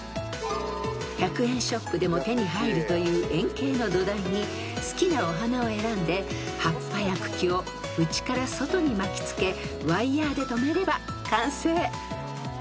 ［１００円ショップでも手に入るという円形の土台に好きなお花を選んで葉っぱや茎を内から外に巻き付けワイヤで止めれば完成］